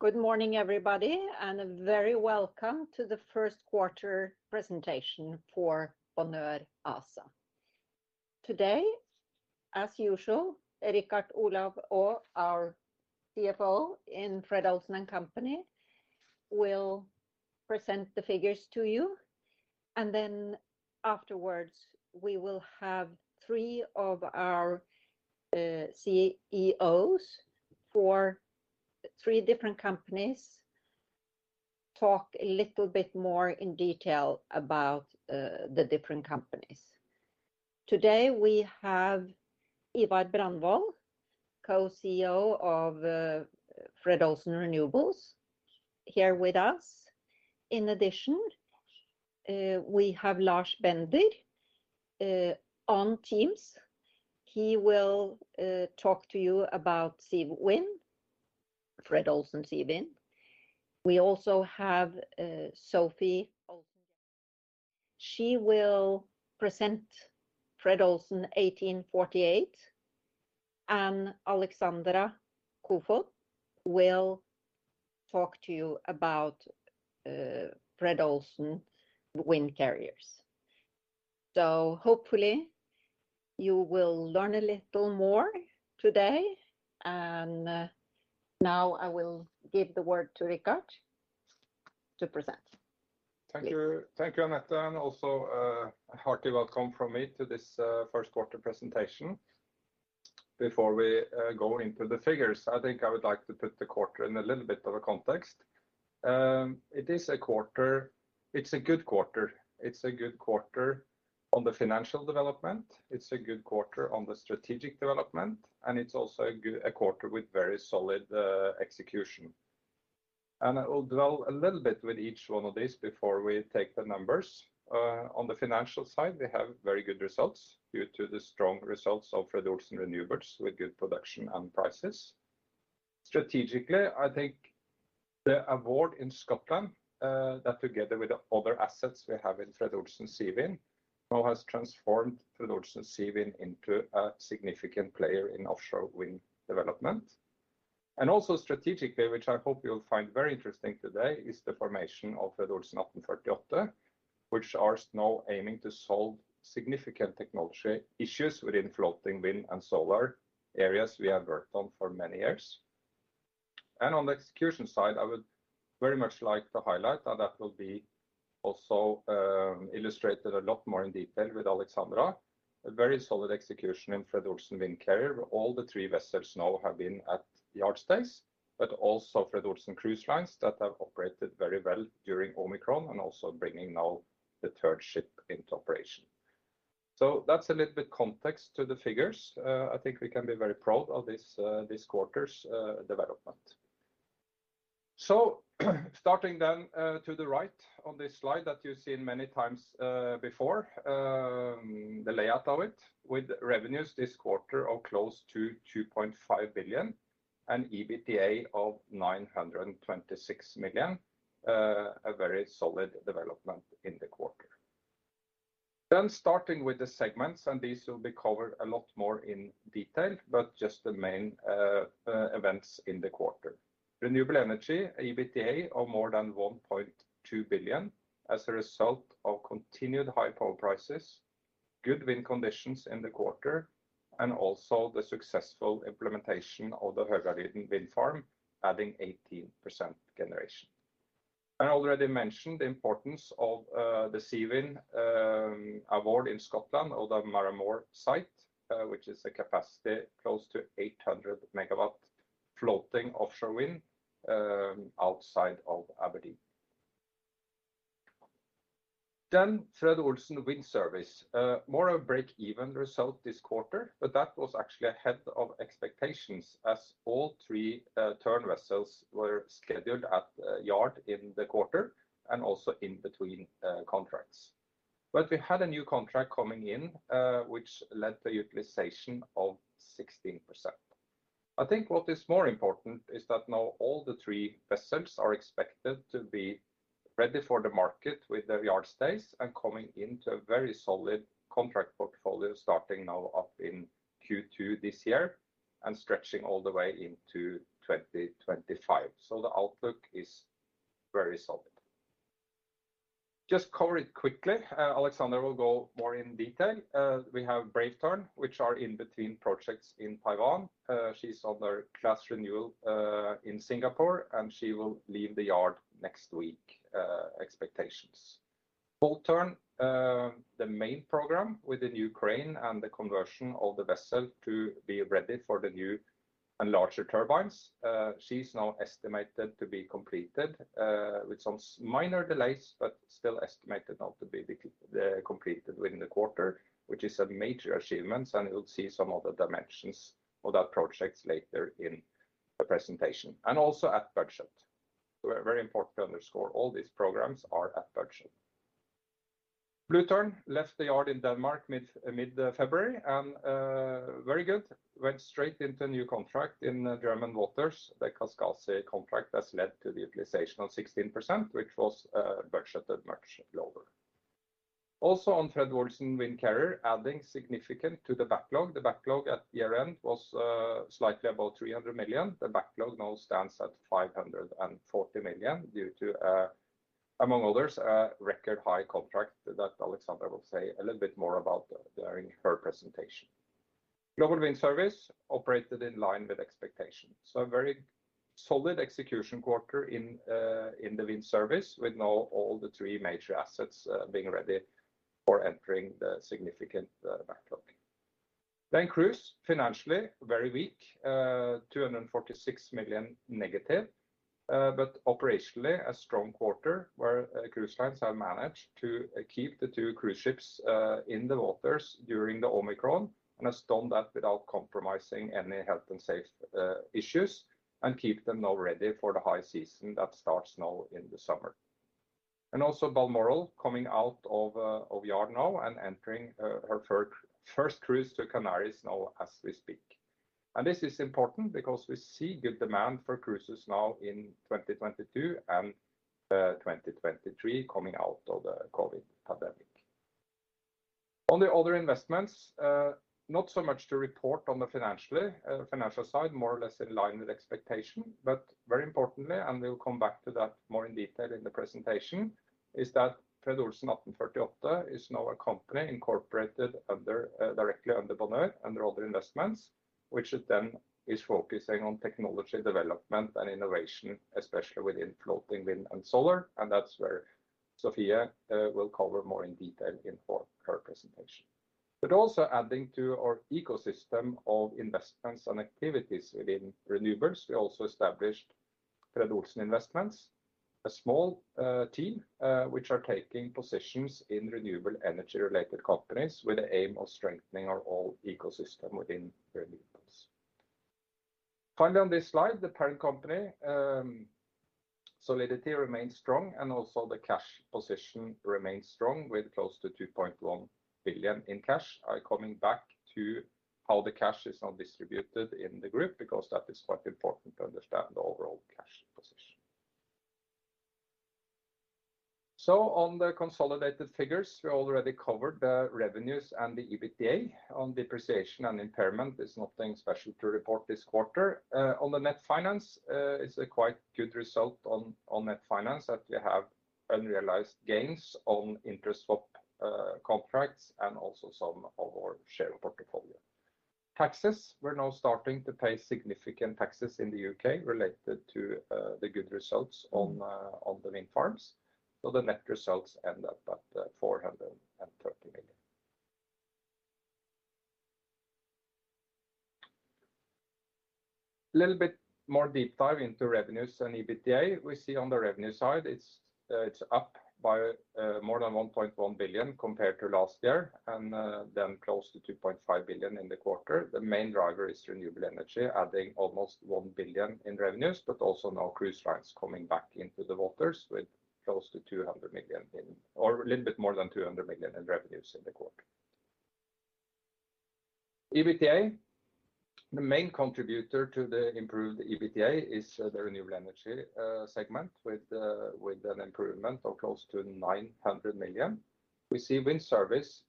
Good morning, everybody, and a very welcome to the first quarter presentation for Bonheur ASA. Today, as usual, Richard Olav Aa, our CFO in Fred. Olsen & Company, will present the figures to you. Then afterwards, we will have three of our CEOs for three different companies talk a little bit more in detail about the different companies. Today we have Ivar Brandvold, Co-CEO of Fred. Olsen Renewables here with us. In addition, we have Lars Bender on Teams. He will talk to you about Seawind, Fred. Olsen Seawind. We also have Sofie Olsen. She will present Fred. Olsen 1848. Alexandra Koefoed will talk to you about Fred. Olsen Windcarrier. Hopefully you will learn a little more today. Now I will give the word to Richard to present. Thank you. Thank you, Anette, and also, a hearty welcome from me to this first quarter presentation. Before we go into the figures, I think I would like to put the quarter in a little bit of a context. It is a quarter. It's a good quarter. It's a good quarter on the financial development, it's a good quarter on the strategic development, and it's also a quarter with very solid execution. I will dwell a little bit with each one of these before we take the numbers. On the financial side, we have very good results due to the strong results of Fred. Olsen Renewables with good production and prices. Strategically, I think the award in Scotland, that together with the other assets we have in Fred. Olsen Seawind, now has transformed Fred. Olsen Seawind into a significant player in offshore wind development. Also strategically, which I hope you'll find very interesting today, is the formation of Fred. Olsen 1848, which are now aiming to solve significant technology issues within floating wind and solar areas we have worked on for many years. On the execution side, I would very much like to highlight, and that will be also, illustrated a lot more in detail with Alexandra, a very solid execution in Fred. Olsen Windcarrier. All the three vessels now have been at yard stays, but also Fred. Olsen Cruise Lines that have operated very well during Omicron and also bringing now the third ship into operation. That's a little bit context to the figures. I think we can be very proud of this quarter's development. Starting then to the right on this slide that you've seen many times before, the layout of it with revenues this quarter of close to 2.5 billion and EBITDA of 926 million, a very solid development in the quarter. Starting with the segments, and these will be covered a lot more in detail, but just the main events in the quarter. Renewable energy, EBITDA of more than 1.2 billion as a result of continued high power prices, good wind conditions in the quarter, and also the successful implementation of the Högaliden wind farm, adding 18% generation. I already mentioned the importance of the Seawind award in Scotland or the Muir Mhòr site, which is a capacity close to 800 MW floating offshore wind outside of Aberdeen. Then Fred. Olsen wind service, more a break-even result this quarter, but that was actually ahead of expectations as all three Tern vessels were scheduled at the yard in the quarter and also in between contracts. We had a new contract coming in, which led to utilization of 16%. I think what is more important is that now all the three vessels are expected to be ready for the market with their yard stays and coming into a very solid contract portfolio starting now up in Q2 this year and stretching all the way into 2025. The outlook is very solid. Just cover it quickly. Alexandra Koefoed will go more in detail. We have Brave Tern, which are in between projects in Taiwan. She's under class renewal in Singapore, and she will leave the yard next week, expectations. Bold Tern, the main program with the new crane and the conversion of the vessel to be ready for the new and larger turbines. She's now estimated to be completed with some minor delays, but still estimated now to be completed within the quarter, which is a major achievement, and you'll see some of the dimensions of that project later in the presentation, and also at budget. Very important to underscore all these programs are at budget. Blue Tern left the yard in Denmark mid February and very good. Went straight into a new contract in German waters, the Kaskasi contract that's led to the utilization of 16%, which was budgeted much lower. Also on Fred. Olsen Windcarrier adding significant to the backlog. The backlog at year-end was slightly above 300 million. The backlog now stands at 540 million due to, among others, a record high contract that Alexandra will say a little bit more about during her presentation. Global Wind Service operated in line with expectations. A very solid execution quarter in the wind service, with now all the three major assets being ready for entering the significant backlog. Then, Cruise financially very weak, 246 million negative. But operationally a strong quarter, where Cruise Lines have managed to keep the two cruise ships in the waters during the Omicron, and has done that without compromising any health and safety issues, and keep them now ready for the high season that starts now in the summer. Balmoral coming out of yard now and entering her first cruise to Canary's now as we speak. This is important because we see good demand for cruises now in 2022 and 2023 coming out of the COVID pandemic. On the other investments, not so much to report on the financial side, more or less in line with expectation. Very importantly, we'll come back to that more in detail in the presentation, is that Fred. Olsen 1848 is now a company incorporated under directly under Bonheur under other investments, which then is focusing on technology development and innovation, especially within floating wind and solar, and that's where Sofie will cover more in detail in her presentation. Adding to our ecosystem of investments and activities within renewables, we also established Fred. Olsen Investments, a small team, which are taking positions in renewable energy related companies with the aim of strengthening our whole ecosystem within renewables. Finally, on this slide, the parent company solvency remains strong, and also the cash position remains strong with close to 2.1 billion in cash, coming back to how the cash is now distributed in the group, because that is quite important to understand the overall cash position. On the consolidated figures, we already covered the revenues and the EBITDA. On depreciation and impairment, there's nothing special to report this quarter. On the net finance, it's a quite good result on net finance that we have unrealized gains on interest swap contracts and also some of our share portfolio. Taxes, we're now starting to pay significant taxes in the UK related to the good results on the wind farms. The net results end up at 430 million. Little bit more deep dive into revenues and EBITDA. We see on the revenue side, it's up by more than 1.1 billion compared to last year, and then close to 2.5 billion in the quarter. The main driver is renewable energy, adding almost 1 billion in revenues, but also now Cruise Lines coming back into the waters with close to 200 million in, or a little bit more than 200 million in revenues in the quarter. EBITDA, the main contributor to the improved EBITDA is the renewable energy segment with an improvement of close to 900 million. We see Global Wind Service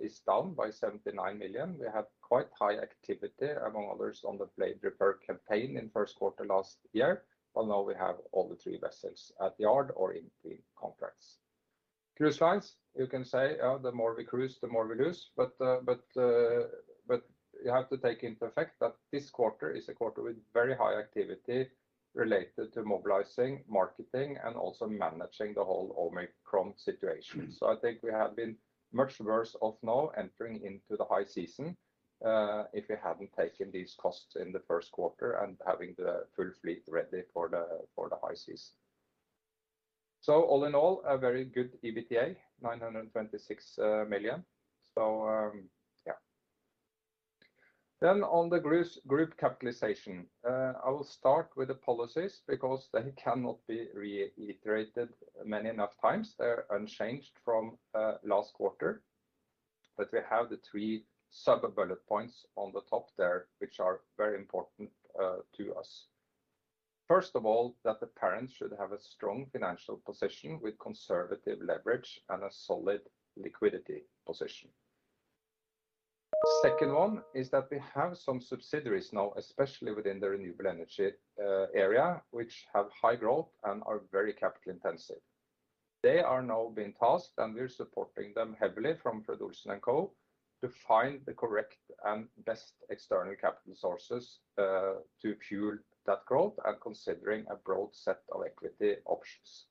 is down by 79 million. We have quite high activity among others on the blade repair campaign in first quarter last year. While now we have all three vessels at yard or in clean contracts. Cruise Lines, you can say the more we cruise, the more we lose. But you have to take into account that this quarter is a quarter with very high activity related to mobilizing, marketing and also managing the whole Omicron situation. I think we have been much worse off now entering into the high season if we hadn't taken these costs in the first quarter and having the full fleet ready for the high season. All in all, a very good EBITDA, 926 million. On the group capitalization, I will start with the policies because they cannot be reiterated too many times. They're unchanged from last quarter. We have the three sub-bullet points on the top there, which are very important to us. First of all, that the parent should have a strong financial position with conservative leverage and a solid liquidity position. Second one is that we have some subsidiaries now, especially within the renewable energy area, which have high growth and are very capital intensive. They are now being tasked, and we're supporting them heavily from Fred. Olsen & Co., to find the correct and best external capital sources to fuel that growth and considering a broad set of equity options.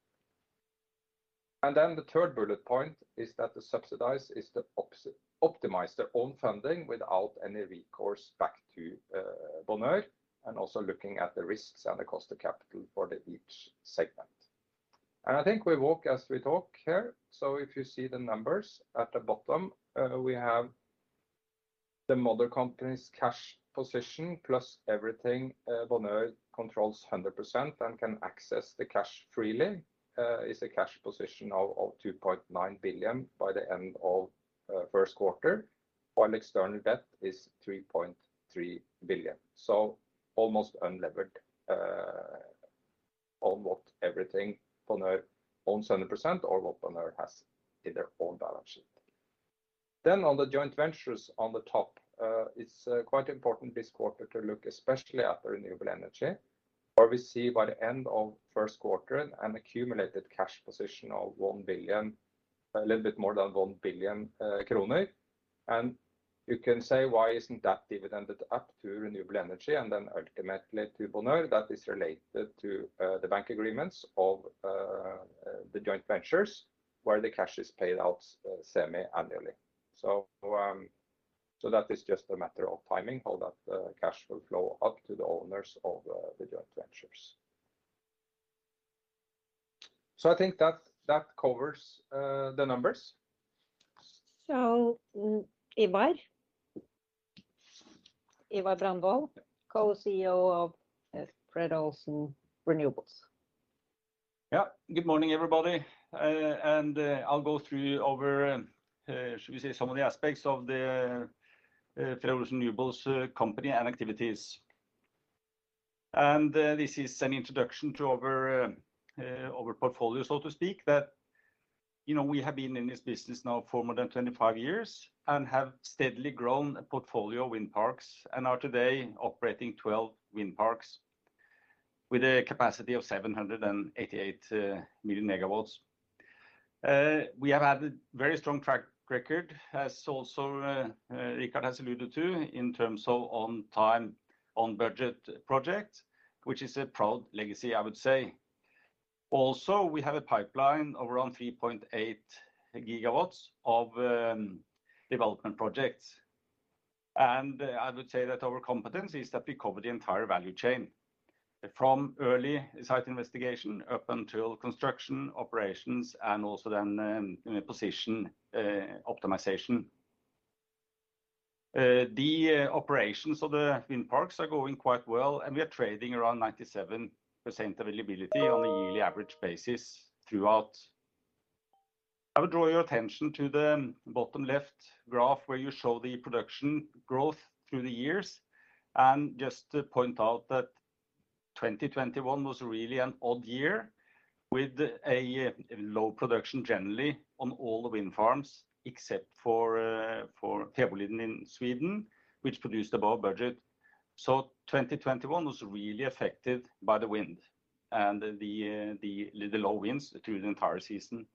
The third bullet point is that the subsidiaries are to optimize their own funding without any recourse back to Bonheur, and also looking at the risks and the cost of capital for each segment. I think we walk as we talk here. If you see the numbers at the bottom, we have the mother company's cash position plus everything Bonheur controls 100% and can access the cash freely is a cash position of 2.9 billion by the end of first quarter, while external debt is 3.3 billion. Almost unlevered. On what everything Bonheur owns 70% or what Bonheur has in their own balance sheet. On the joint ventures on the top, it's quite important this quarter to look especially at the renewable energy, where we see by the end of first quarter an accumulated cash position of 1 billion, a little bit more than 1 billion kroner. You can say, "Why isn't that dividend up to renewable energy and then ultimately to Bonheur?" That is related to the bank agreements of the joint ventures, where the cash is paid out semi-annually. That is just a matter of timing how that cash will flow up to the owners of the joint ventures. I think that covers the numbers. Ivar Brandvold. Co-CEO of Fred. Olsen Renewables. Yeah. Good morning, everybody. I'll go through our, should we say some of the aspects of the, Fred. Olsen Renewables company and activities. This is an introduction to our portfolio, so to speak, that, you know, we have been in this business now for more than 25 years and have steadily grown a portfolio of wind parks, and are today operating 12 wind parks with a capacity of 788 megawatts. We have had a very strong track record, as also Richard has alluded to, in terms of on-time, on-budget project, which is a proud legacy, I would say. Also, we have a pipeline of around 3.8 gigawatts of development projects. I would say that our competence is that we cover the entire value chain, from early site investigation up until construction, operations, and also then, position optimization. The operations of the wind parks are going quite well, and we are trading around 97% availability on a yearly average basis throughout. I would draw your attention to the bottom left graph where you show the production growth through the years, and just to point out that 2021 was really an odd year with a low production generally on all the wind farms except for Högaliden in Sweden, which produced above budget. 2021 was really affected by the wind and the low winds through the entire season.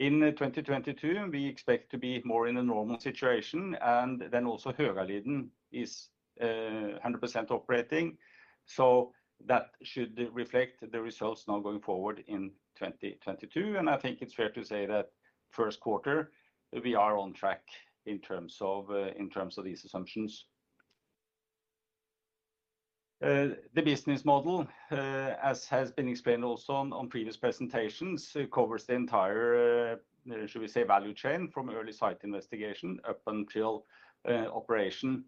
In 2022, we expect to be more in a normal situation, and then also Högaliden is 100% operating, so that should reflect the results now going forward in 2022. I think it's fair to say that first quarter we are on track in terms of these assumptions. The business model, as has been explained also on previous presentations, it covers the entire, should we say value chain, from early site investigation up until operation.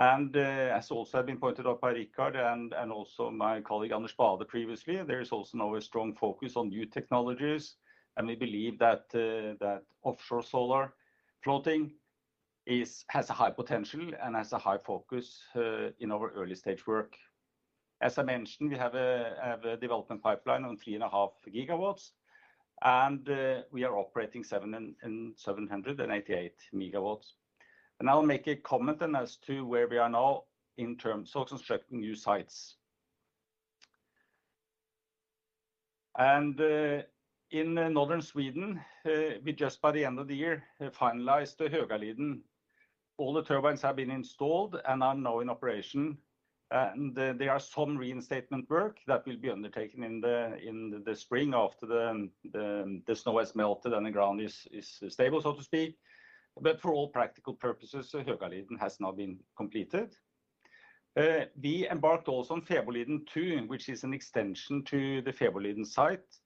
As also been pointed out by Richard and also my colleague Anders that previously, there is also now a strong focus on new technologies, and we believe that offshore solar floating has a high potential and has a high focus in our early stage work. As I mentioned, we have a development pipeline on 3.5 GW, and we are operating 788 MW. I'll make a comment then as to where we are now in terms of constructing new sites. In Northern Sweden, we just by the end of the year have finalized the Högaliden. All the turbines have been installed and are now in operation, and there are some reinstatement work that will be undertaken in the spring after the snow has melted and the ground is stable, so to speak. For all practical purposes, Högaliden has now been completed. We embarked also on Fäbodliden II, which is an extension to the Fäbodliden site.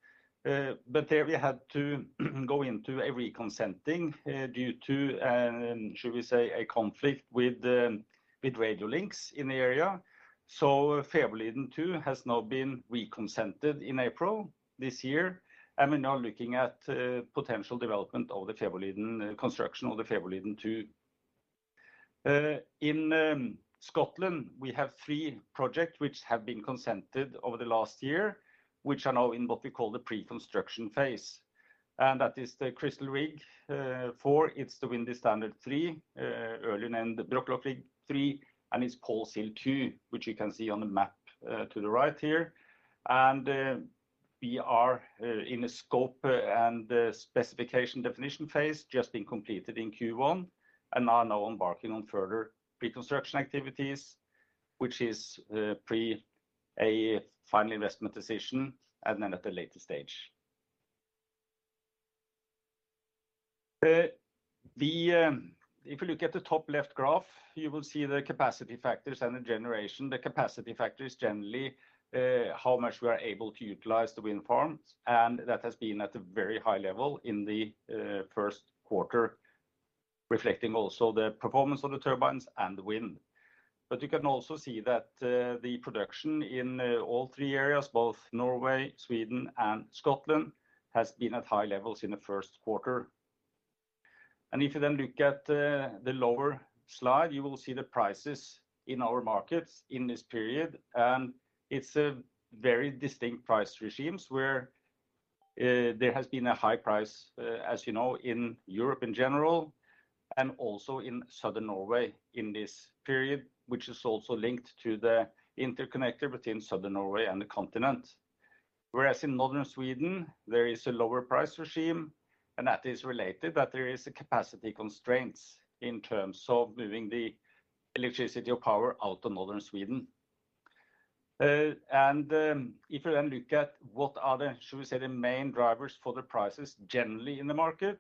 There we had to go into a re-consenting due to should we say a conflict with radio links in the area. Fäbodliden II has now been re-consented in April this year, and we're now looking at potential development of the Fäbodliden, construction of the Fäbodliden. In Scotland, we have three project which have been consented over the last year, which are now in what we call the pre-construction phase. That is the Crystal Rig IV, it's the Windy Standard III, and the Brockloch Rig III, and it's Paul’s Hill II, which you can see on the map to the right here. We are in a scope and specification definition phase just being completed in Q1, and are now embarking on further pre-construction activities, which is pre a final investment decision and then at a later stage. If you look at the top left graph, you will see the capacity factors and the generation. The capacity factor is generally how much we are able to utilize the wind farms, and that has been at a very high level in the first quarter, reflecting also the performance of the turbines and the wind. You can also see that the production in all three areas, both Norway, Sweden, and Scotland, has been at high levels in the first quarter. If you then look at the lower slide, you will see the prices in our markets in this period. It's a very distinct price regimes where there has been a high price, as you know in Europe in general and also in Southern Norway in this period, which is also linked to the interconnectivity between Southern Norway and the continent. Whereas in Northern Sweden, there is a lower price regime, and that is related that there is a capacity constraints in terms of moving the electricity or power out of Northern Sweden. If you then look at what are the, shall we say, the main drivers for the prices generally in the market,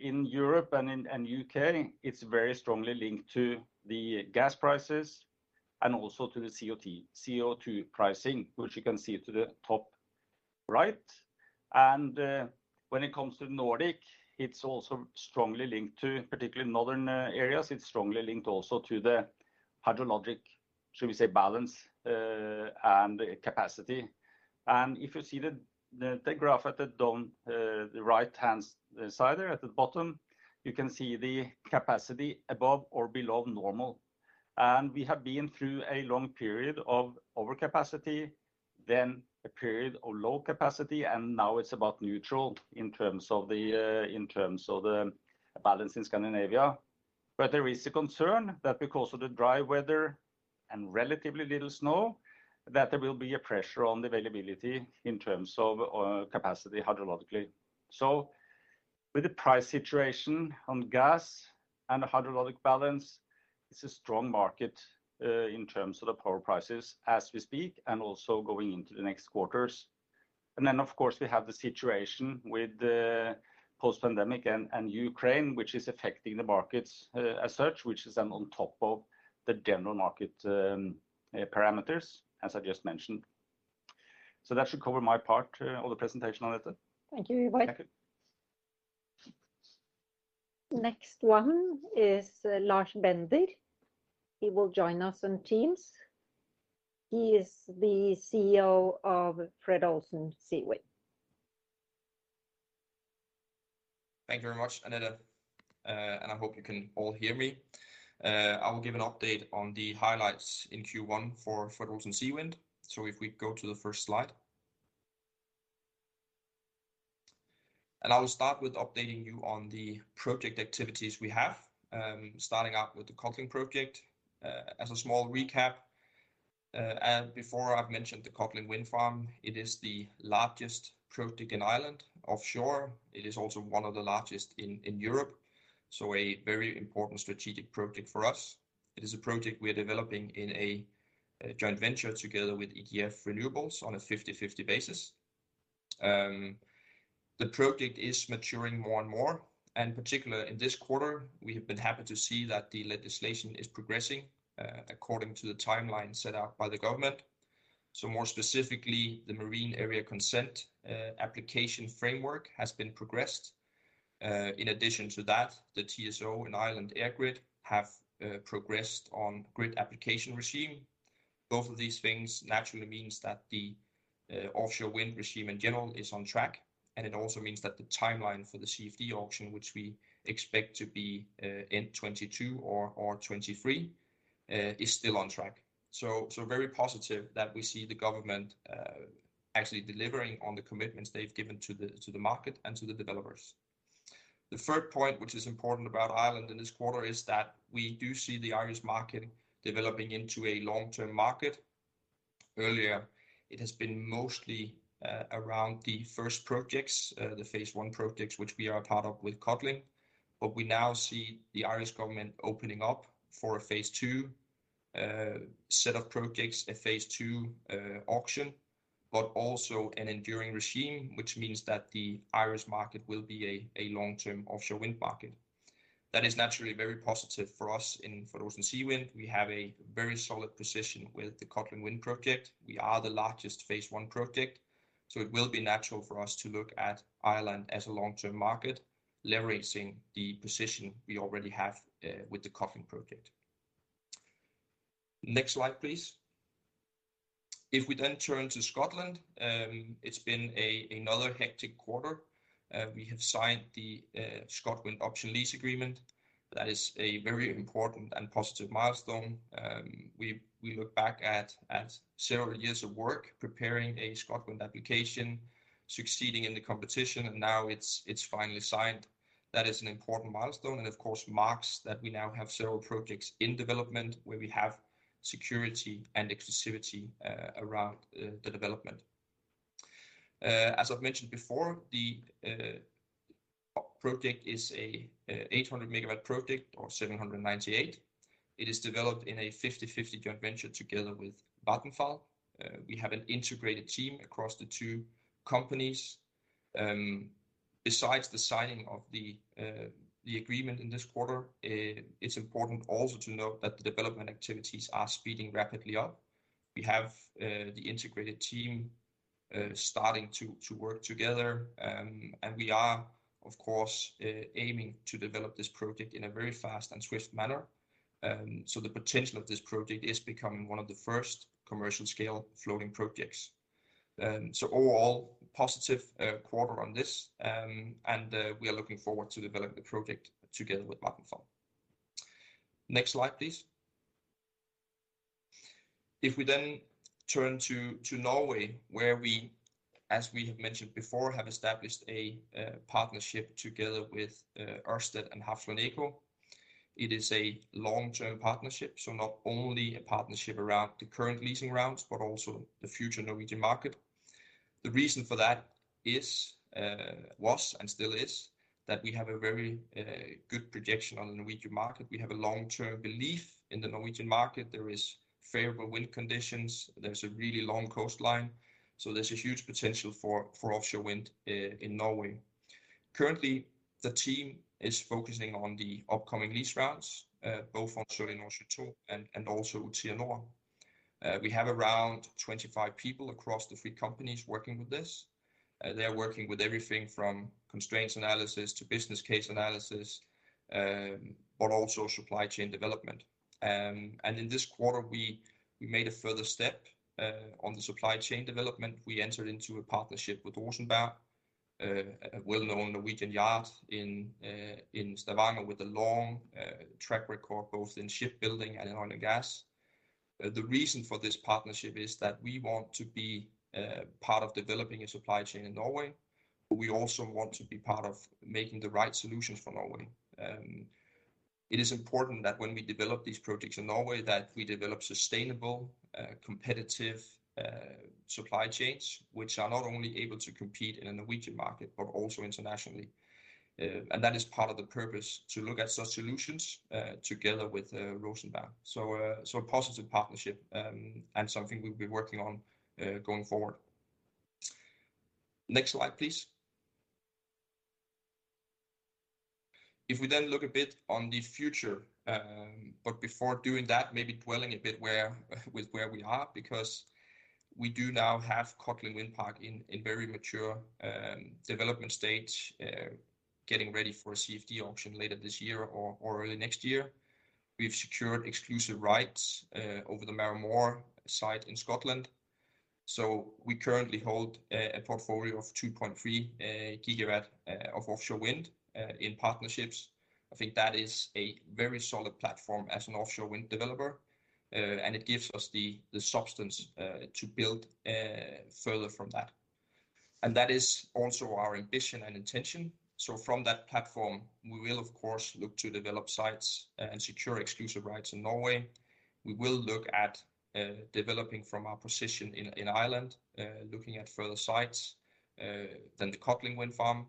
in Europe and in U.K., it's very strongly linked to the gas prices and also to the CO2 pricing, which you can see to the top right. When it comes to Nordic, it's also strongly linked to, particularly northern, areas. It's strongly linked also to the hydrologic, should we say, balance, and capacity. If you see the graph at the bottom, the right-hand side there at the bottom, you can see the capacity above or below normal. We have been through a long period of overcapacity, then a period of low capacity, and now it's about neutral in terms of the balance in Scandinavia. There is a concern that because of the dry weather and relatively little snow, that there will be a pressure on the availability in terms of capacity hydrologically. With the price situation on gas and the hydrologic balance, it's a strong market in terms of the power prices as we speak and also going into the next quarters. Then of course, we have the situation with the post-pandemic and Ukraine, which is affecting the markets as such, which is then on top of the general market parameters as I just mentioned. That should cover my part or the presentation, Anette. Thank you, Ivar. Thank you. Next one is Lars Bender. He will join us on Teams. He is the CEO of Fred. Olsen Seawind. Thank you very much, Anette. I hope you can all hear me. I will give an update on the highlights in Q1 for Fred. Olsen Seawind. If we go to the first slide. I will start with updating you on the project activities we have, starting out with the Codling project. As a small recap, as before, I've mentioned the Codling wind farm. It is the largest project in Ireland offshore. It is also one of the largest in Europe, so a very important strategic project for us. It is a project we are developing in a joint venture together with EDF Renewables on a 50/50 basis. The project is maturing more and more, and particularly in this quarter, we have been happy to see that the legislation is progressing according to the timeline set out by the government. More specifically, the Marine Area Consent application framework has been progressed. In addition to that, the TSO and EirGrid have progressed on grid application regime. Both of these things naturally means that the offshore wind regime in general is on track, and it also means that the timeline for the CFD auction, which we expect to be in 2022 or 2023, is still on track. Very positive that we see the government actually delivering on the commitments they've given to the market and to the developers. The third point, which is important about Ireland in this quarter, is that we do see the Irish market developing into a long-term market. Earlier, it has been mostly around the first projects, the phase I projects, which we are a part of with Codling. We now see the Irish government opening up for a phase II set of projects, a phase II auction, but also an enduring regime, which means that the Irish market will be a long-term offshore wind market. That is naturally very positive for us in Fred. Olsen Seawind. We have a very solid position with the Codling wind project. We are the largest phase I project, so it will be natural for us to look at Ireland as a long-term market, leveraging the position we already have with the Codling project. Next slide, please. If we then turn to Scotland, it's been another hectic quarter. We have signed the ScotWind auction lease agreement. That is a very important and positive milestone. We look back at several years of work preparing a ScotWind application, succeeding in the competition, and now it's finally signed. That is an important milestone and of course marks that we now have several projects in development where we have security and exclusivity around the development. As I've mentioned before, the project is a 800 MW project or 798. It is developed in a 50/50 joint venture together with Vattenfall. We have an integrated team across the two companies. Besides the signing of the agreement in this quarter, it's important also to note that the development activities are speeding rapidly up. We have the integrated team starting to work together. We are, of course, aiming to develop this project in a very fast and swift manner. The potential of this project is becoming one of the first commercial scale floating projects. Overall positive quarter on this. We are looking forward to develop the project together with Vattenfall. Next slide, please. If we then turn to Norway, where we, as we have mentioned before, have established a partnership together with Ørsted and Hafslund Eco. It is a long-term partnership, so not only a partnership around the current leasing rounds, but also the future Norwegian market. The reason for that is, was and still is that we have a very good projection on the Norwegian market. We have a long-term belief in the Norwegian market. There is favorable wind conditions. There's a really long coastline, so there's a huge potential for offshore wind in Norway. Currently, the team is focusing on the upcoming lease rounds both on Sørlige Nordsjø II and also Utsira Nord. We have around 25 people across the three companies working with this. They are working with everything from constraints analysis to business case analysis, but also supply chain development. In this quarter, we made a further step on the supply chain development. We entered into a partnership with Rosenberg, a well-known Norwegian yard in Stavanger with a long track record both in shipbuilding and in oil and gas. The reason for this partnership is that we want to be part of developing a supply chain in Norway, but we also want to be part of making the right solutions for Norway. It is important that when we develop these projects in Norway, that we develop sustainable, competitive, supply chains, which are not only able to compete in the Norwegian market, but also internationally. That is part of the purpose to look at such solutions together with Rosenberg. A positive partnership, and something we'll be working on going forward. Next slide, please. If we then look a bit to the future, but before doing that, maybe dwelling a bit on where we are, because we do now have Codling Wind Park in very mature development stage, getting ready for a CFD auction later this year or early next year. We have secured exclusive rights over the Muir Mhòr site in Scotland. We currently hold a portfolio of 2.3 GW of offshore wind in partnerships. I think that is a very solid platform as an offshore wind developer. It gives us the substance to build further from that. That is also our ambition and intention. From that platform, we will of course look to develop sites and secure exclusive rights in Norway. We will look at developing from our position in Ireland, looking at further sites than the Codling Wind Farm.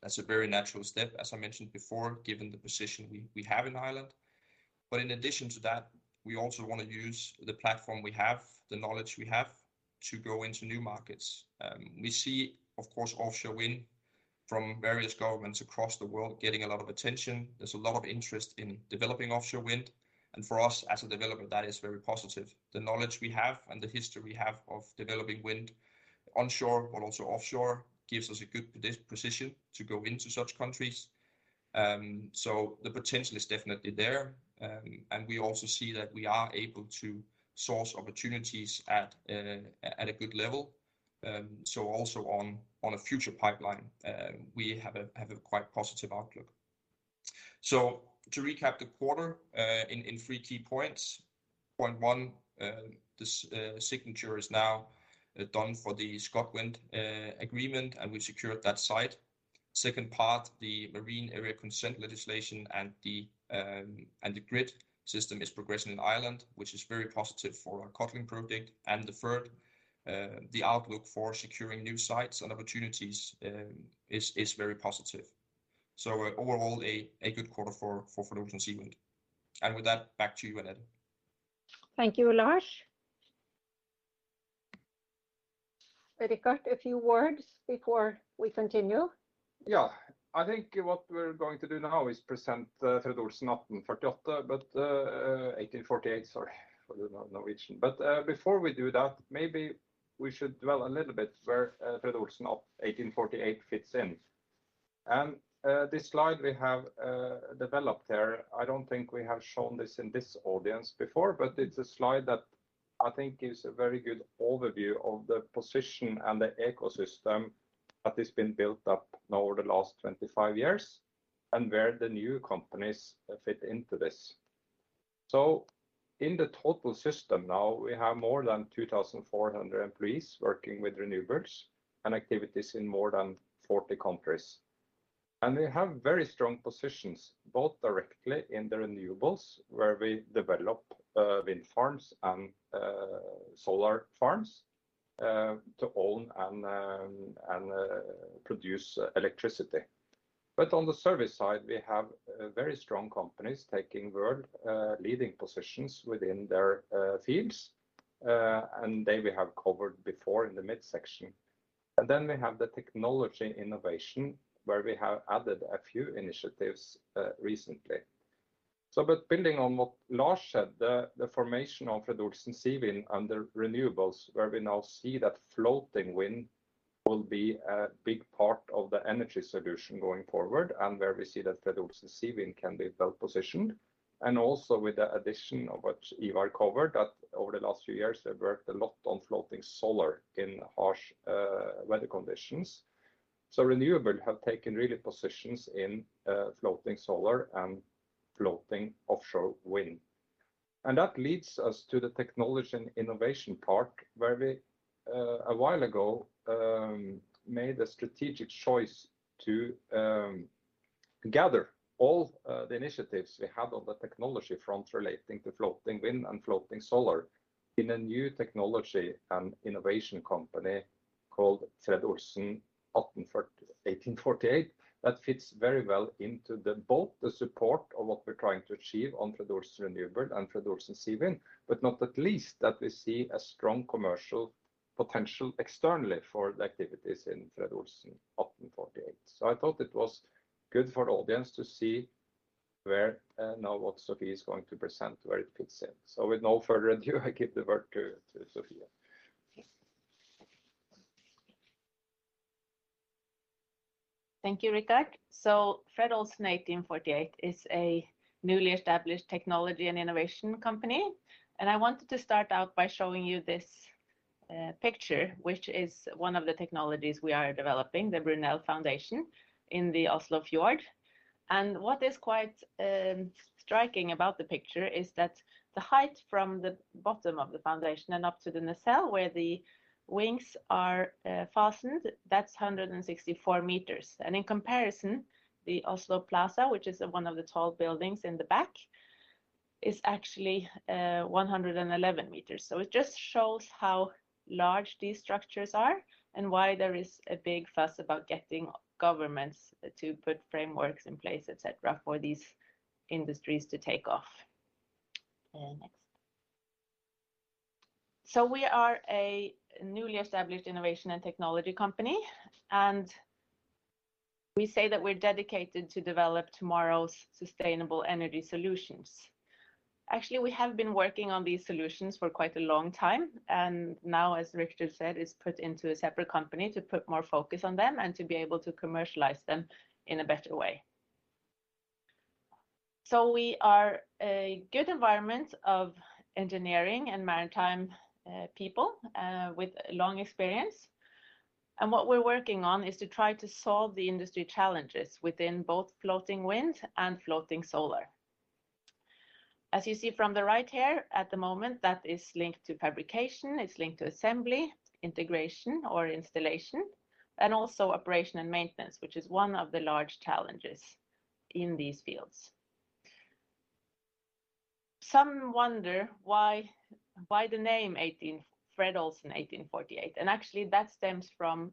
That's a very natural step, as I mentioned before, given the position we have in Ireland. In addition to that, we also wanna use the platform we have, the knowledge we have to go into new markets. We see, of course, offshore wind from various governments across the world getting a lot of attention. There's a lot of interest in developing offshore wind, and for us as a developer, that is very positive. The knowledge we have and the history we have of developing wind onshore, but also offshore, gives us a good position to go into such countries. The potential is definitely there. We also see that we are able to source opportunities at a good level. Also on a future pipeline, we have a quite positive outlook. To recap the quarter, in three key points. Point one, the signature is now done for the ScotWind agreement, and we secured that site. Second part, the Marine Area Consent legislation and the grid system is progressing in Ireland, which is very positive for our Codling project. The third, the outlook for securing new sites and opportunities, is very positive. Overall a good quarter for Fred. Olsen Seawind. With that, back to you, Anette. Thank you, Lars. Richard, a few words before we continue. Yeah. I think what we're going to do now is present the Fred. Olsen 1848, but 1848, sorry for the Norwegian. Before we do that, maybe we should dwell a little bit where Fred. Olsen 1848 fits in. This slide we have developed here, I don't think we have shown this in this audience before, but it's a slide that I think gives a very good overview of the position and the ecosystem that has been built up now over the last 25 years and where the new companies fit into this. In the total system now, we have more than 2,400 employees working with renewables and activities in more than 40 countries. We have very strong positions, both directly in the renewables, where we develop wind farms and solar farms to own and produce electricity. But on the service side, we have very strong companies taking world leading positions within their fields. There we have covered before in the midsection. Then we have the technology innovation, where we have added a few initiatives recently. Building on what Lars said, the formation of Fred. Olsen Seawind under renewables, where we now see that floating wind will be a big part of the energy solution going forward, and where we see that Fred. Olsen Seawind can be well-positioned. Also with the addition of what Ivar covered, that over the last few years they've worked a lot on floating solar in harsh weather conditions. Renewables have taken real positions in floating solar and floating offshore wind. That leads us to the technology and innovation part where we a while ago made a strategic choice to gather all the initiatives we have on the technology front relating to floating wind and floating solar in a new technology and innovation company called Fred. Olsen 1848. That fits very well into both the support of what we're trying to achieve in Fred. Olsen Renewables and Fred. Olsen Seawind, but not least that we see a strong commercial potential externally for the activities in Fred. Olsen 1848. I thought it was good for the audience to see where now what Sofie is going to present, where it fits in. With no further ado, I give the word to Sofie. Thank you, Richard. Fred. Olsen 1848 is a newly established technology and innovation company, and I wanted to start out by showing you this picture, which is one of the technologies we are developing, the Brunel foundation in the Oslofjord. What is quite striking about the picture is that the height from the bottom of the foundation and up to the nacelle where the wings are fastened, that's 164 meters. In comparison, the Oslo Plaza, which is one of the tall buildings in the back, is actually 111 meters. It just shows how large these structures are and why there is a big fuss about getting governments to put frameworks in place, et cetera, for these industries to take off. We are a newly established innovation and technology company, and we say that we're dedicated to develop tomorrow's sustainable energy solutions. Actually, we have been working on these solutions for quite a long time, and now, as Richard said, it's put into a separate company to put more focus on them and to be able to commercialize them in a better way. We are a good environment of engineering and maritime people with long experience. What we're working on is to try to solve the industry challenges within both floating wind and floating solar. As you see from the right here, at the moment, that is linked to fabrication, it's linked to assembly, integration or installation, and also operation and maintenance, which is one of the large challenges in these fields. Some wonder why the name Fred. Olsen 1848, and actually that stems from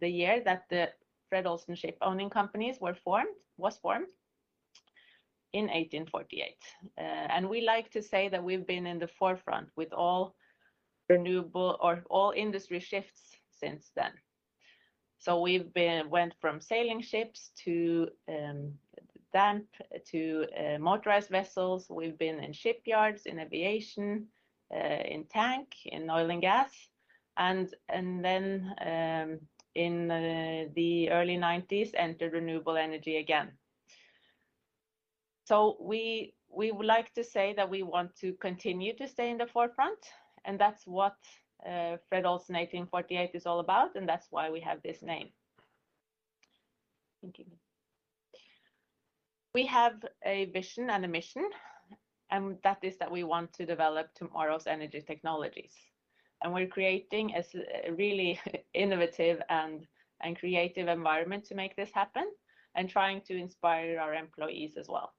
the year that the Fred. Olsen ship owning companies were formed in 1848. We like to say that we've been in the forefront with all renewable or all industry shifts since then. We've went from sailing ships to steam to motorized vessels. We've been in shipyards, in aviation, in tankers, in oil and gas, and then in the early 90s, entered renewable energy again. We would like to say that we want to continue to stay in the forefront, and that's what Fred. Olsen 1848 is all about, and that's why we have this name. Thank you. We have a vision and a mission, and that is that we want to develop tomorrow's energy technologies. We're creating a really innovative and creative environment to make this happen and trying to inspire our employees as well.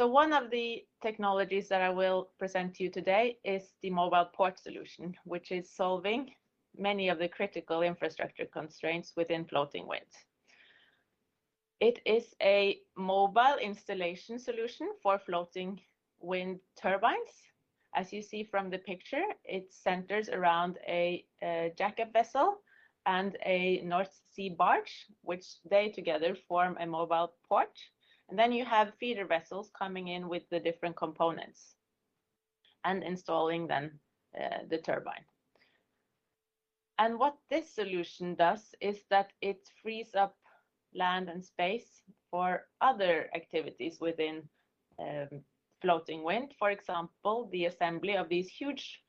One of the technologies that I will present to you today is the Mobile Port Solution, which is solving many of the critical infrastructure constraints within floating wind. It is a mobile installation solution for floating wind turbines. As you see from the picture, it centers around a jack-up vessel and a North Sea barge, which they together form a mobile port. Then you have feeder vessels coming in with the different components and installing then the turbine. What this solution does is that it frees up land and space for other activities within floating wind. For example, the assembly of these huge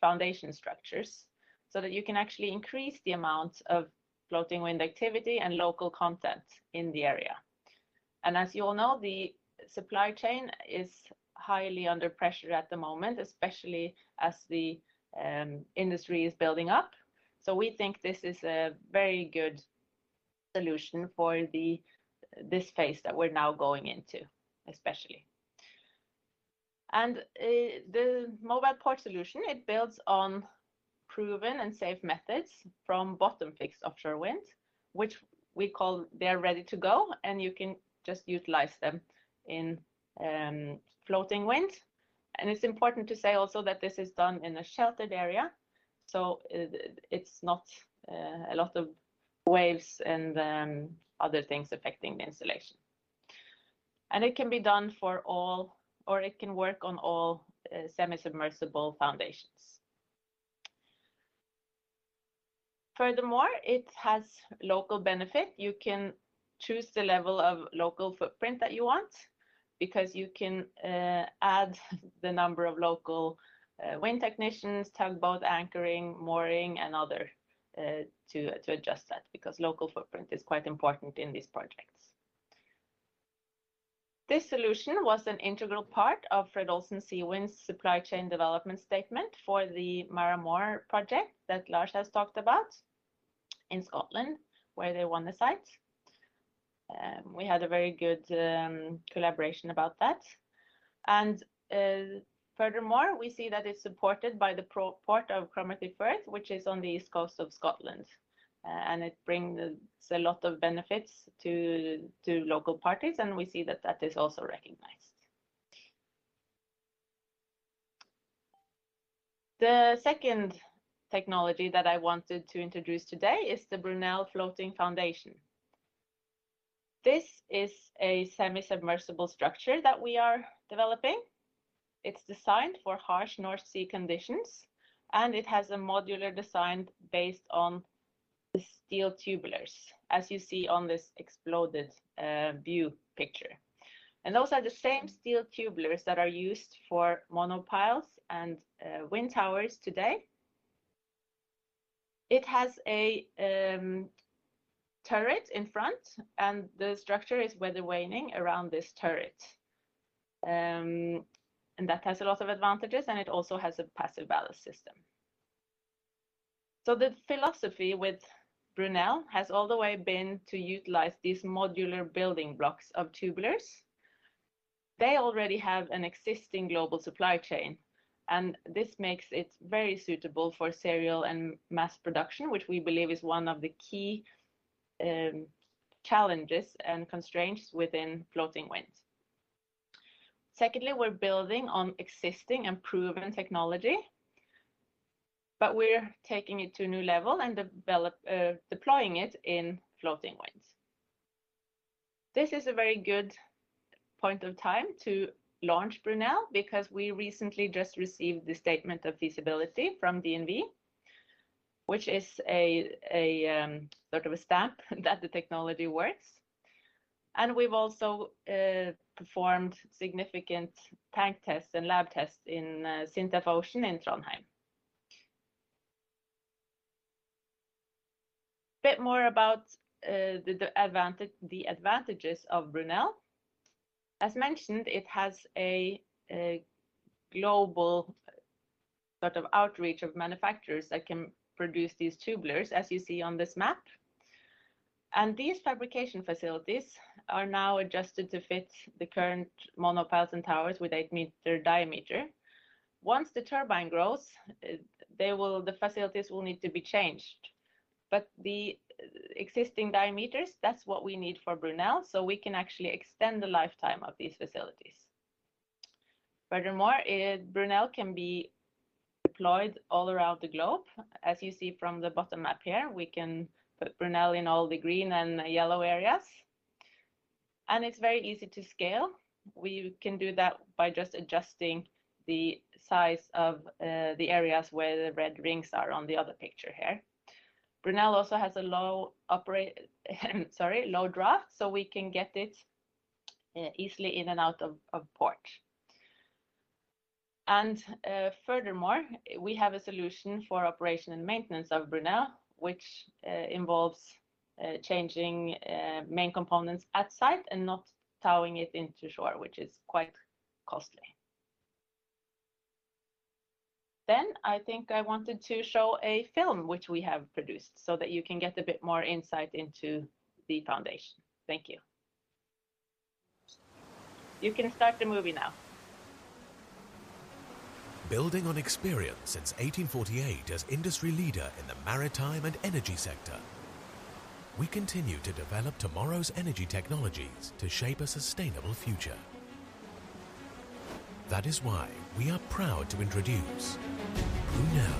foundation structures so that you can actually increase the amount of floating wind activity and local content in the area. As you all know, the supply chain is highly under pressure at the moment, especially as the industry is building up. We think this is a very good solution for this phase that we're now going into, especially. The Mobile Port Solution, it builds on proven and safe methods from bottom-fixed offshore wind, which we call they're ready to go, and you can just utilize them in floating wind. It's important to say also that this is done in a sheltered area, so it's not a lot of waves and other things affecting the installation. It can be done for all, or it can work on all semi-submersible foundations. Furthermore, it has local benefit. You can choose the level of local footprint that you want because you can add the number of local wind technicians, tugboat anchoring, mooring, and other to adjust that because local footprint is quite important in these projects. This solution was an integral part of Fred. Olsen Seawind's supply chain development statement for the Muir Mhòr project that Lars has talked about in Scotland, where they won the site. We had a very good collaboration about that. Furthermore, we see that it's supported by the port of Cromarty Firth, which is on the east coast of Scotland. It brings a lot of benefits to local parties, and we see that that is also recognized. The second technology that I wanted to introduce today is the Brunel Floating Foundation. This is a semi-submersible structure that we are developing. It's designed for harsh North Sea conditions, and it has a modular design based on the steel tubulars, as you see on this exploded view picture. Those are the same steel tubulars that are used for monopiles and wind towers today. It has a turret in front, and the structure is weathervaning around this turret. That has a lot of advantages, and it also has a passive ballast system. The philosophy with Brunel has all the way been to utilize these modular building blocks of tubulars. They already have an existing global supply chain, and this makes it very suitable for serial and mass production, which we believe is one of the key challenges and constraints within floating wind. Secondly, we're building on existing and proven technology, but we're taking it to a new level and deploying it in floating winds. This is a very good point of time to launch Brunel because we recently just received the statement of feasibility from DNV, which is sort of a stamp that the technology works. We've also performed significant tank tests and lab tests in SINTEF Ocean in Trondheim. A bit more about the advantages of Brunel. As mentioned, it has a global sort of outreach of manufacturers that can produce these tubulars, as you see on this map. These fabrication facilities are now adjusted to fit the current monopiles and towers with eight-meter diameter. Once the turbine grows, the facilities will need to be changed. The existing diameters, that's what we need for Brunel, so we can actually extend the lifetime of these facilities. Furthermore, Brunel can be deployed all around the globe, as you see from the bottom map here. We can put Brunel in all the green and yellow areas. It's very easy to scale. We can do that by just adjusting the size of the areas where the red rings are on the other picture here. Brunel also has a low draft, so we can get it easily in and out of port. Furthermore, we have a solution for operation and maintenance of Brunel, which involves changing main components at site and not towing it into shore, which is quite costly. I think I wanted to show a film which we have produced so that you can get a bit more insight into the foundation. Thank you. You can start the movie now. Building on experience since 1848 as industry leader in the maritime and energy sector, we continue to develop tomorrow's energy technologies to shape a sustainable future. That is why we are proud to introduce Brunel,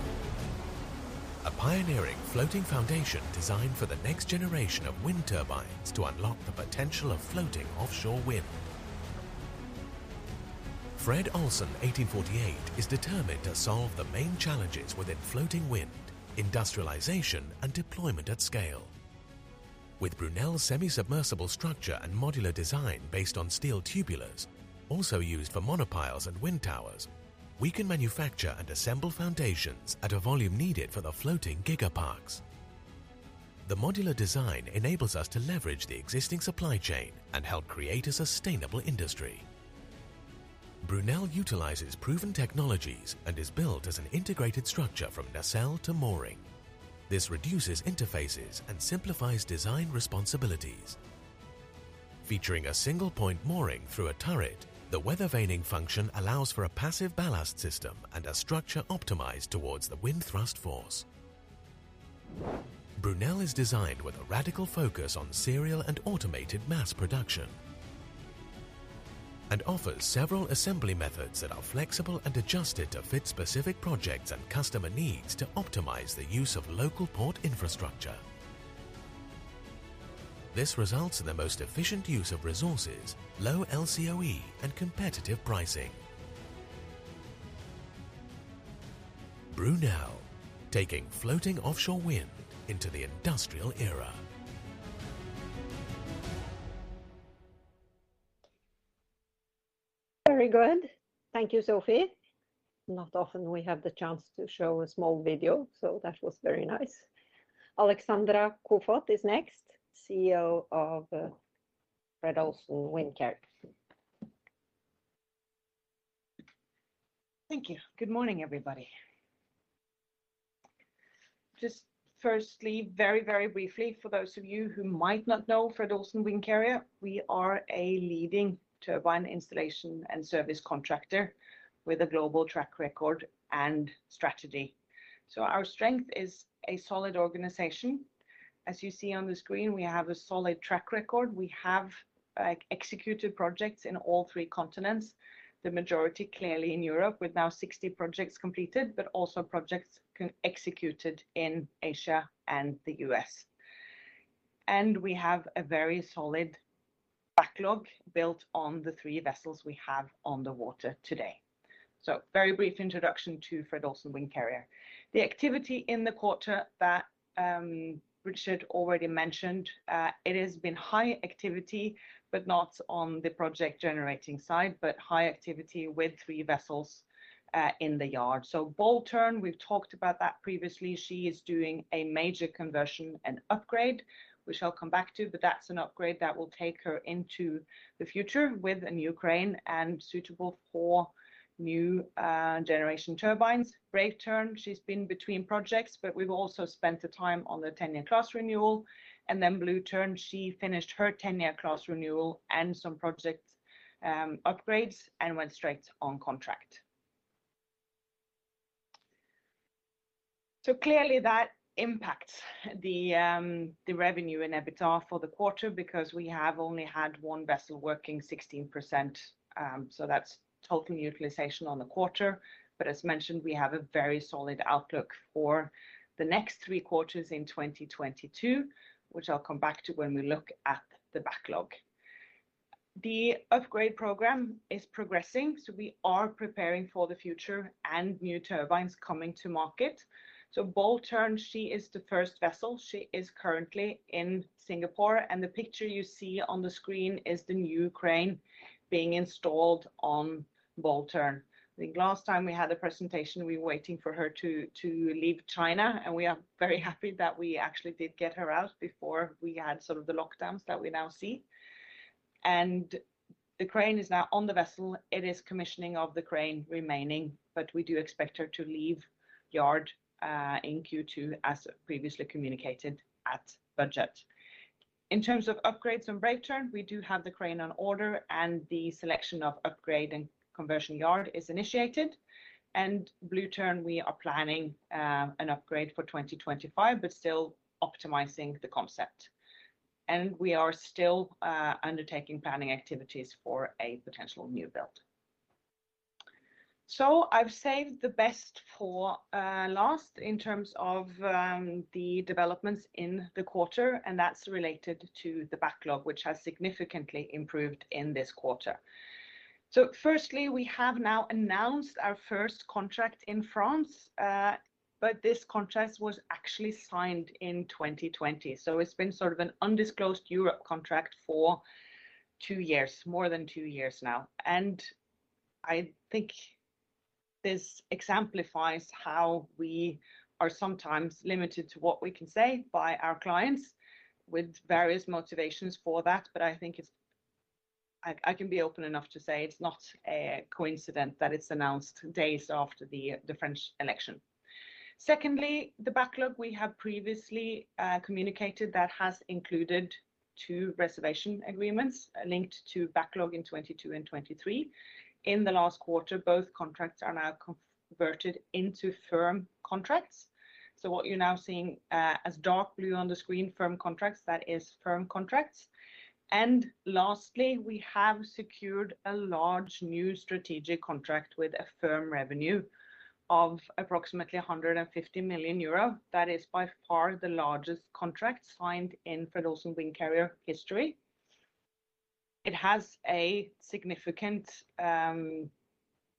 a pioneering floating foundation designed for the next generation of wind turbines to unlock the potential of floating offshore wind. Fred. Olsen 1848 is determined to solve the main challenges within floating wind, industrialization, and deployment at scale. With Brunel's semi-submersible structure and modular design based on steel tubulars, also used for monopiles and wind towers, we can manufacture and assemble foundations at a volume needed for the floating giga parks. The modular design enables us to leverage the existing supply chain and help create a sustainable industry. Brunel utilizes proven technologies and is built as an integrated structure from nacelle to mooring. This reduces interfaces and simplifies design responsibilities. Featuring a single point mooring through a turret, the weathervaning function allows for a passive ballast system and a structure optimized towards the wind thrust force. Brunel is designed with a radical focus on serial and automated mass production and offers several assembly methods that are flexible and adjusted to fit specific projects and customer needs to optimize the use of local port infrastructure. This results in the most efficient use of resources, low LCOE, and competitive pricing. Brunel, taking floating offshore wind into the industrial era. Very good. Thank you, Sofie. Not often we have the chance to show a small video, so that was very nice. Alexandra Koefoed is next, CEO of Fred. Olsen Windcarrier. Thank you. Good morning, everybody. Just firstly, very, very briefly, for those of you who might not know Fred. Olsen Windcarrier, we are a leading turbine installation and service contractor with a global track record and strategy. Our strength is a solid organization. As you see on the screen, we have a solid track record. We have, like, executed projects in all three continents, the majority clearly in Europe, with now 60 projects completed, but also projects executed in Asia and the U.S., and we have a very solid backlog built on the three vessels we have on the water today. Very brief introduction to Fred. Olsen Windcarrier. The activity in the quarter that Richard already mentioned, it has been high activity, but not on the project generating side, but high activity with three vessels in the yard. Bold Tern, we've talked about that previously. She is doing a major conversion and upgrade, which I'll come back to, but that's an upgrade that will take her into the future with a new crane and suitable for new generation turbines. Brave Tern, she's been between projects, but we've also spent the time on the 10-year class renewal. Blue Tern, she finished her 10-year class renewal and some project upgrades and went straight on contract. Clearly that impacts the revenue and EBITDA for the quarter because we have only had one vessel working 16%, so that's total utilization on the quarter. As mentioned, we have a very solid outlook for the next three quarters in 2022, which I'll come back to when we look at the backlog. The upgrade program is progressing, so we are preparing for the future and new turbines coming to market. Bold Tern, she is the first vessel. She is currently in Singapore, and the picture you see on the screen is the new crane being installed on Bold Tern. I think last time we had a presentation, we were waiting for her to leave China, and we are very happy that we actually did get her out before we had sort of the lockdowns that we now see. The crane is now on the vessel. It is commissioning of the crane remaining, but we do expect her to leave yard in Q2, as previously communicated at budget. In terms of upgrades on Brave Tern, we do have the crane on order, and the selection of upgrade and conversion yard is initiated. Blue Tern, we are planning an upgrade for 2025, but still optimizing the concept. We are still undertaking planning activities for a potential new build. I've saved the best for last in terms of the developments in the quarter, and that's related to the backlog, which has significantly improved in this quarter. Firstly, we have now announced our first contract in France, but this contract was actually signed in 2020. It's been sort of an undisclosed European contract for two years, more than two years now. I think this exemplifies how we are sometimes limited to what we can say by our clients with various motivations for that. I can be open enough to say it's not a coincidence that it's announced days after the French election. Secondly, the backlog we have previously communicated that has included two reservation agreements linked to backlog in 2022 and 2023. In the last quarter, both contracts are now converted into firm contracts. What you're now seeing as dark blue on the screen, firm contracts. Lastly, we have secured a large new strategic contract with a firm revenue of approximately 150 million euro. That is by far the largest contract signed in Fred. Olsen Windcarrier history. It has a significant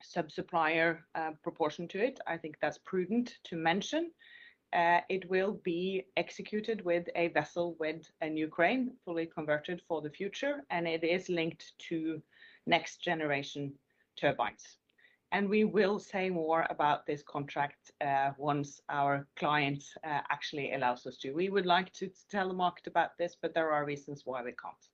sub-supplier proportion to it. I think that's prudent to mention. It will be executed with a vessel with a new crane, fully converted for the future, and it is linked to next generation turbines. We will say more about this contract once our client actually allows us to. We would like to tell the market about this, but there are reasons why we can't.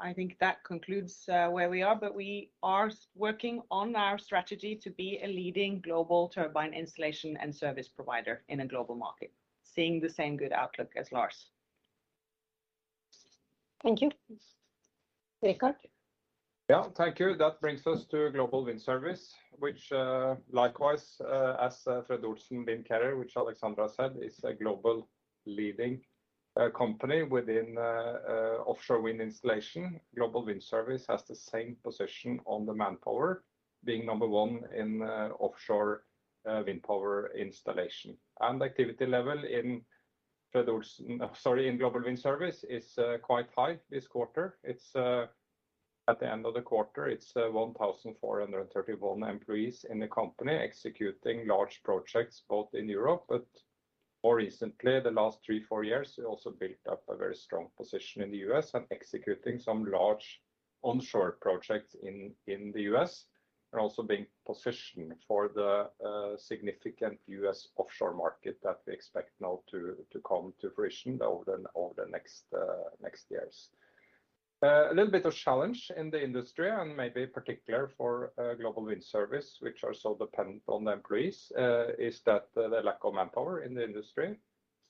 I think that concludes where we are, but we are working on our strategy to be a leading global turbine installation and service provider in a global market, seeing the same good outlook as Lars. Thank you. Richard. Yeah, thank you. That brings us to Global Wind Service, which, likewise, as Fred. Olsen Windcarrier, which Alexandra said, is a global leading company within offshore wind installation. Global Wind Service has the same position on the manpower, being number one in offshore wind power installation. Activity level in Global Wind Service is quite high this quarter. At the end of the quarter, it's 1,431 employees in the company executing large projects both in Europe, but more recently, the last three to four years, we also built up a very strong position in the U.S. and executing some large onshore projects in the U.S. and also being positioned for the significant U.S. offshore market that we expect now to come to fruition over the next years. A little bit of challenge in the industry and maybe particular for Global Wind Service, which are so dependent on the employees, is that the lack of manpower in the industry.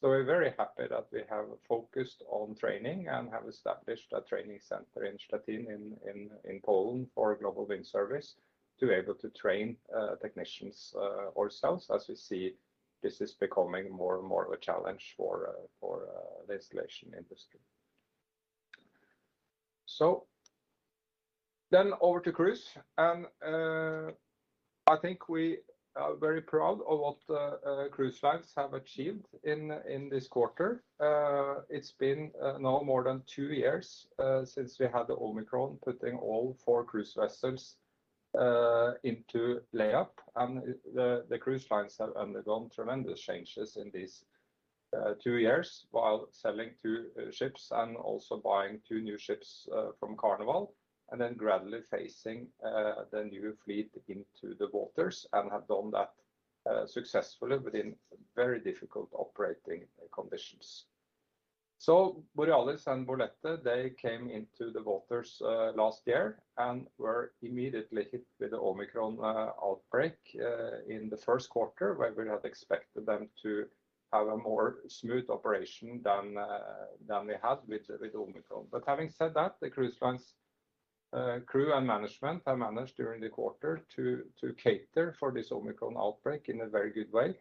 We're very happy that we have focused on training and have established a training center in Szczecin in Poland for Global Wind Service to be able to train technicians ourselves. As we see, this is becoming more and more of a challenge for the installation industry. Over to Cruise. I think we are very proud of what Cruise Lines have achieved in this quarter. It's been now more than two years since we had the Omicron putting all four cruise vessels into lay-up. The Cruise Lines have undergone tremendous changes in these two years while selling two ships and also buying two new ships from Carnival, and then gradually phasing the new fleet into the waters and have done that successfully within very difficult operating conditions. Borealis and Bolette, they came into the waters last year and were immediately hit with the Omicron outbreak in the first quarter, where we had expected them to have a more smooth operation than they had with Omicron. Having said that, the Cruise Lines' crew and management have managed during the quarter to cater for this Omicron outbreak in a very good way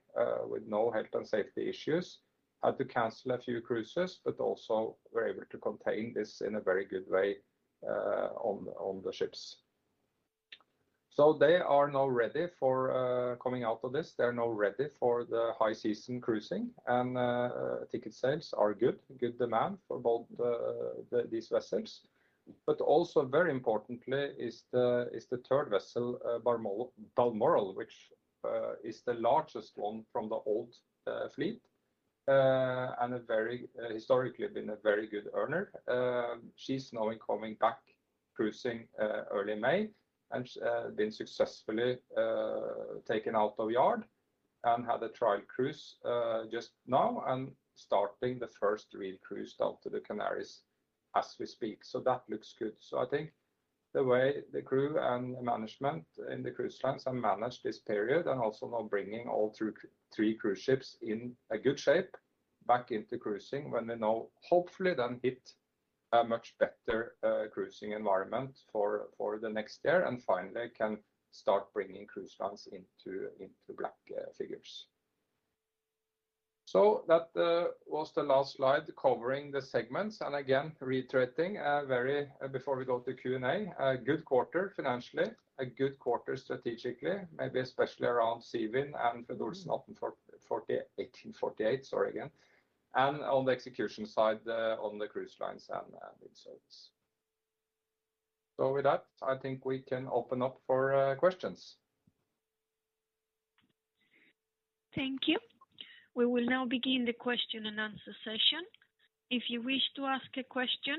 with no health and safety issues. Had to cancel a few cruises, but also were able to contain this in a very good way on the ships. They are now ready for coming out of this. They are now ready for the high season cruising and ticket sales are good demand for both these vessels. Also very importantly is the third vessel, Balmoral, which is the largest one from the old fleet and a very historically been a very good earner. She's now coming back cruising early May and been successfully taken out of yard and had a trial cruise just now and starting the first real cruise down to the Canary's as we speak. That looks good. I think the way the crew and management in the Cruise Lines have managed this period and also now bringing all three three cruise ships in a good shape back into cruising when they now hopefully then hit a much better, cruising environment for the next year, and finally can start bringing Cruise Lines into into black figures. That was the last slide covering the segments. Again, reiterating, very, before we go to Q&A, a good quarter financially, a good quarter strategically, maybe especially around Seawind and Fred. Olsen 1848, and on the execution side, on the Cruise Lines and Global Wind Service. With that, I think we can open up for questions. Thank you. We will now begin the question and answer session. If you wish to ask a question,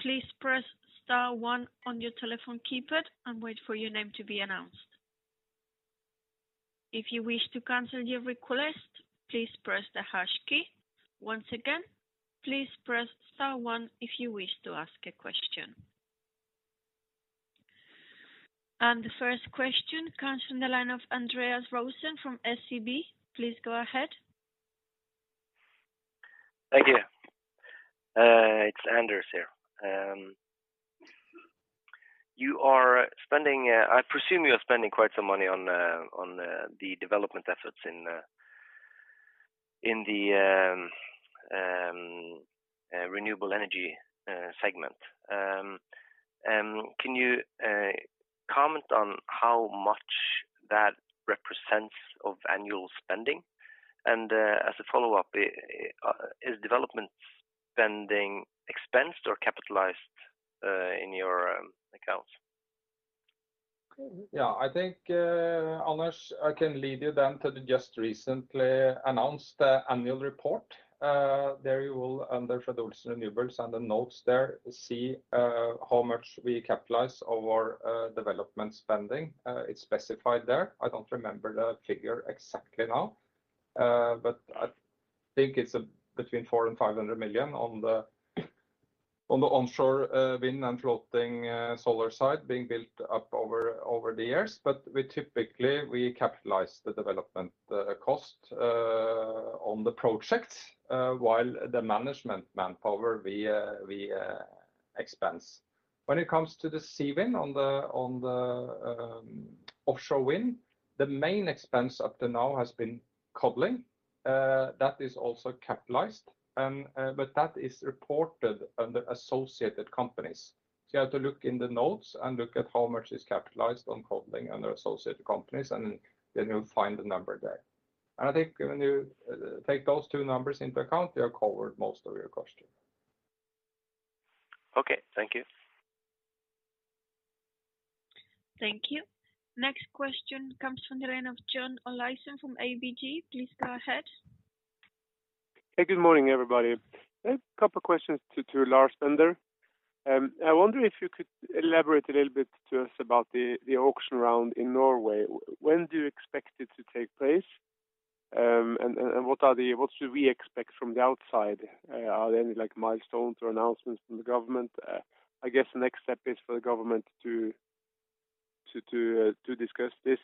please press star one on your telephone keypad and wait for your name to be announced. If you wish to cancel your request, please press the hash key. Once again, please press star one if you wish to ask a question. The first question comes from the line of Anders Rosenlund from SEB. Please go ahead. Thank you. It's Anders here. I presume you are spending quite some money on the development efforts in the renewable energy segment. Can you comment on how much that represents of annual spending? As a follow-up, is development spending expensed or capitalized in your accounts? I think, Anders, I can lead you then to the just recently announced annual report. There you will under Fred. Olsen Renewables and the notes there see how much we capitalize our development spending. It's specified there. I don't remember the figure exactly now, but I think it's between 400 million and 500 million on the onshore wind and floating solar side being built up over the years. We typically capitalize the development cost on the project while the management manpower we expense. When it comes to the Seawind on the offshore wind, the main expense up to now has been cabling. That is also capitalized, but that is reported under associated companies. You have to look in the notes and look at how much is capitalized on cabling under associated companies, and then you'll find the number there. I think when you take those two numbers into account, they have covered most of your question. Okay. Thank you. Thank you. Next question comes from the line of John Olaisen from ABG. Please go ahead. Hey, good morning, everybody. I have a couple questions to Lars Bender. I wonder if you could elaborate a little bit to us about the auction round in Norway. When do you expect it to take place, and what should we expect from the outside? I didn't like milestones announcements from the government. I guess the next step is for the government to discuss this,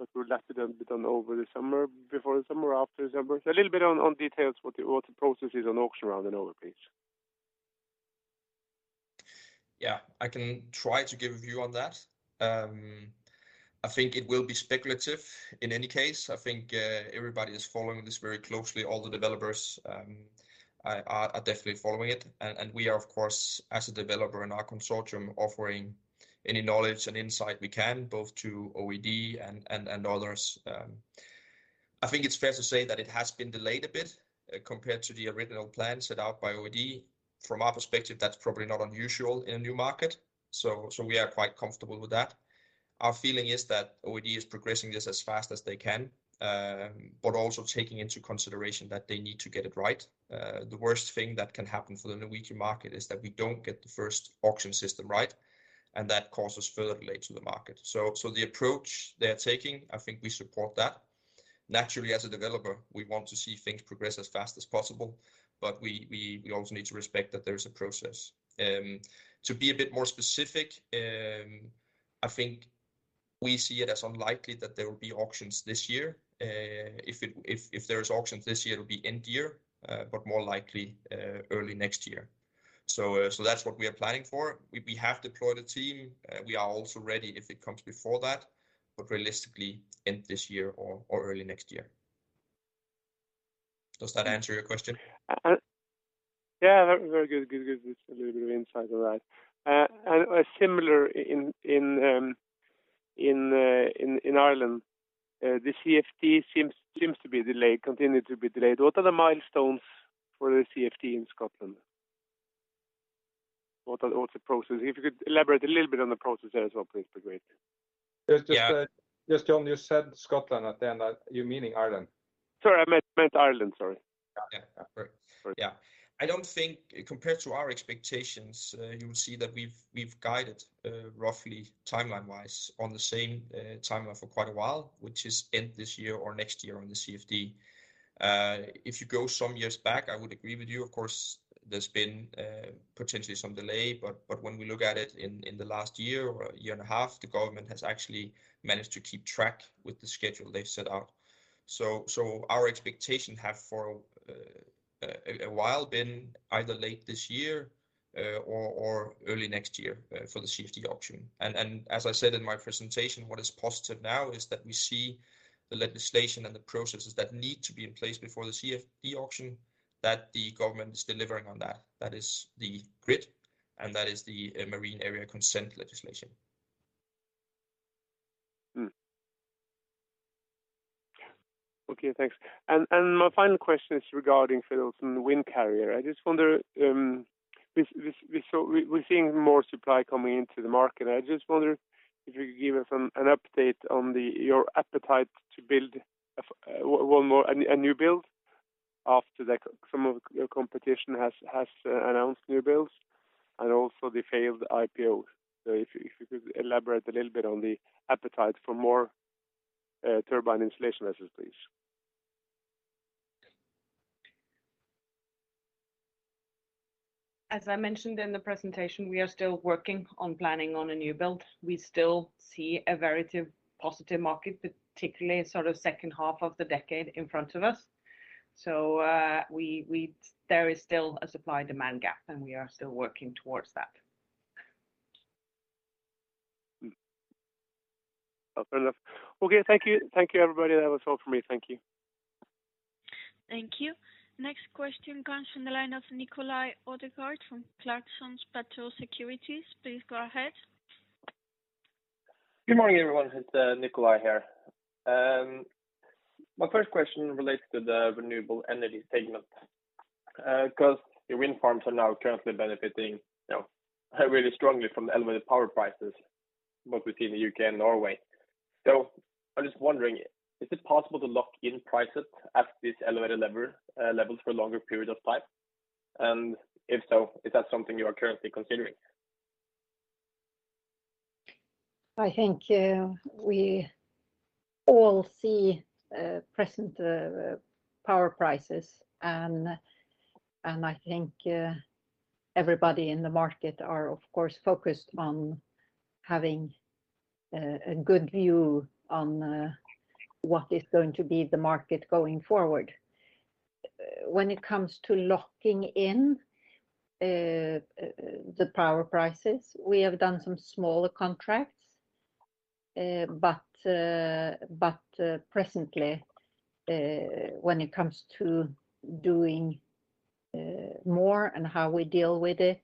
but would that be done over the summer, before the summer or after the summer? A little bit on details what the process is on auction round in Norway, please. Yeah. I can try to give a view on that. I think it will be speculative in any case. I think everybody is following this very closely. All the developers are definitely following it. We are, of course, as a developer in our consortium, offering any knowledge and insight we can, both to OED and others. I think it's fair to say that it has been delayed a bit compared to the original plan set out by OED. From our perspective, that's probably not unusual in a new market, so we are quite comfortable with that. Our feeling is that OED is progressing this as fast as they can, but also taking into consideration that they need to get it right. The worst thing that can happen for the Norwegian market is that we don't get the first auction system right, and that causes further delay to the market. The approach they are taking, I think we support that. Naturally, as a developer, we want to see things progress as fast as possible, but we also need to respect that there is a process. To be a bit more specific, I think we see it as unlikely that there will be auctions this year. If there is auctions this year, it will be end year, but more likely, early next year. That's what we are planning for. We have deployed a team. We are also ready if it comes before that, but realistically end this year or early next year. Does that answer your question? Yeah, very good. It's a little bit of insight on that. Similar in Ireland, the CFD seems to be delayed, continuing to be delayed. What are the milestones for the CFD in Scotland? What is the process? If you could elaborate a little bit on the process there as well, please. Be great. Yeah. Just John, you said Scotland at the end. Are you meaning Ireland? Sorry, I meant Ireland. Sorry. Yeah. Yeah. Right. Sorry. Yeah. I don't think, compared to our expectations, you will see that we've guided roughly timeline-wise on the same timeline for quite a while, which is end this year or next year on the CFD. If you go some years back, I would agree with you. Of course, there's been potentially some delay. When we look at it in the last year or year and a half, the government has actually managed to keep track with the schedule they've set out. Our expectation have for a while been either late this year or early next year for the CFD auction. as I said in my presentation, what is positive now is that we see the legislation and the processes that need to be in place before the CFD auction, that the government is delivering on that. That is the grid, and that is the Maritime Area Consent Legislation. Okay, thanks. My final question is regarding Phil from Windcarrier. I just wonder we're seeing more supply coming into the market. I just wonder if you could give us an update on your appetite to build a new build after the. Some of your competition has announced new builds and also the failed IPO. If you could elaborate a little bit on the appetite for more turbine installation vessels, please. As I mentioned in the presentation, we are still working on planning on a new build. We still see a very positive market, particularly sort of second half of the decade in front of us. There is still a supply-demand gap, and we are still working towards that. Fair enough. Okay. Thank you. Thank you, everybody. That was all from me. Thank you. Thank you. Next question comes from the line of Nikolai Ødegaard from Clarksons Platou Securities. Please go ahead. Good morning, everyone. It's Nikolai here. My first question relates to the renewable energy segment, 'cause your wind farms are now currently benefiting, you know, really strongly from the elevated power prices, both within the U.K. and Norway. I'm just wondering, is it possible to lock in prices at these elevated levels for longer period of time? And if so, is that something you are currently considering? I think we all see present power prices. I think everybody in the market are, of course, focused on having a good view on what is going to be the market going forward. When it comes to locking in the power prices, we have done some smaller contracts. But, presently, when it comes to doing more and how we deal with it,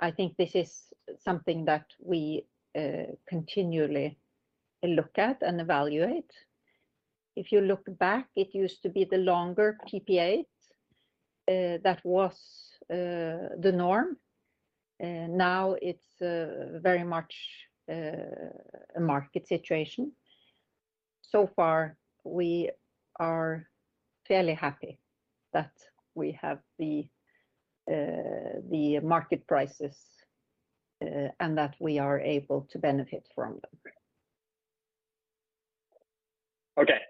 I think this is something that we continually look at and evaluate. If you look back, it used to be the longer PPAs that was the norm. Now it's very much a market situation. So far we are fairly happy that we have the market prices and that we are able to benefit from them. Okay.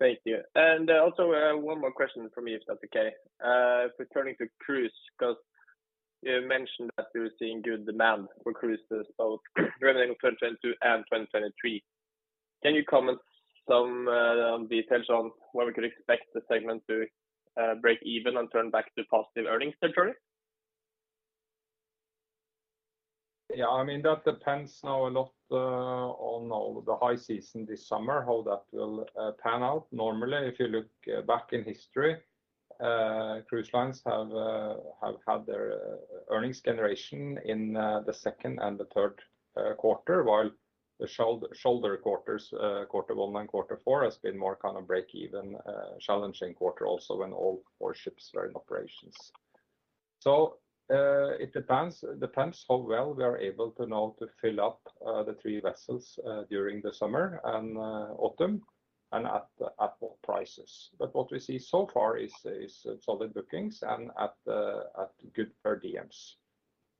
Thank you. One more question from me if that's okay. Returning to Cruise, 'cause you mentioned that you were seeing good demand for cruises both remaining in 2022 and 2023. Can you comment on some details on where we could expect the segment to break even and turn back to positive earnings trajectory? Yeah, I mean, that depends now a lot on all the high season this summer, how that will pan out. Normally, if you look back in history, cruise lines have their earnings generation in the second and the third quarter, while the shoulder quarters, quarter one and quarter four has been more kind of break-even, challenging quarter also when all four ships are in operations. It depends how well we are able to now fill up the three vessels during the summer and autumn and at what prices. What we see so far is solid bookings and at good per diems,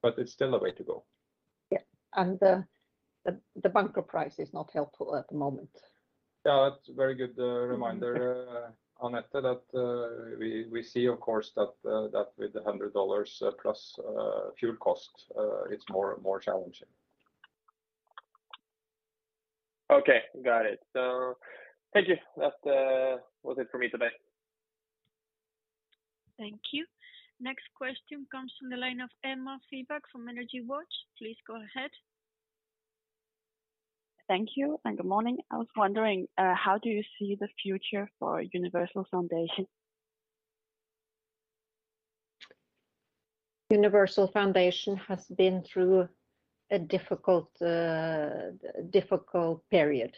but it's still a way to go. Yeah. The bunker price is not helpful at the moment. Yeah, that's a very good reminder, Anette, that we see of course that with the $100 plus fuel cost, it's more challenging. Okay. Got it. Thank you. That was it for me today. Thank you. Next question comes from the line of Emma Pinchbeck from Energy Watch. Please go ahead. Thank you, and good morning. I was wondering, how do you see the future for Universal Foundation? Universal Foundation has been through a difficult period.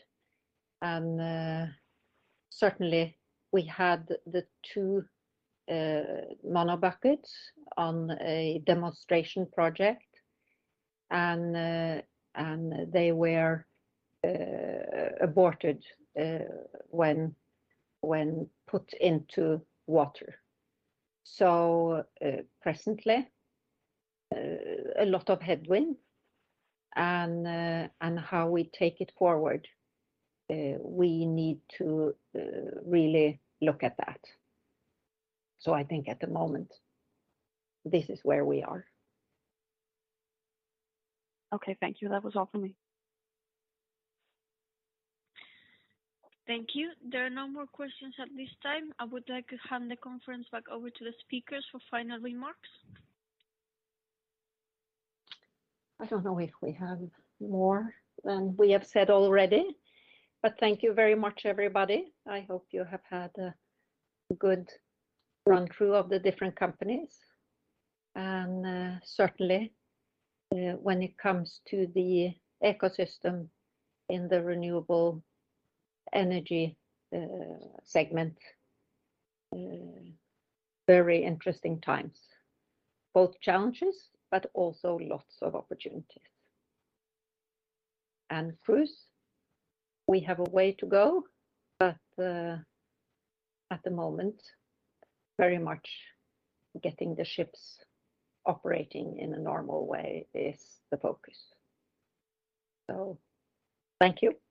Certainly we had the two Mono Buckets on a demonstration project, and they were aborted when put into water. Presently a lot of headwind and how we take it forward, we need to really look at that. I think at the moment this is where we are. Okay. Thank you. That was all for me. Thank you. There are no more questions at this time. I would like to hand the conference back over to the speakers for final remarks. I don't know if we have more than we have said already, but thank you very much, everybody. I hope you have had a good run-through of the different companies. Certainly, when it comes to the ecosystem in the renewable energy segment, very interesting times, both challenges but also lots of opportunities. Cruise, we have a way to go, but at the moment, very much getting the ships operating in a normal way is the focus. Thank you.